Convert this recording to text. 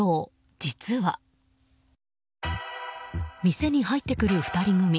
店に入ってくる２人組。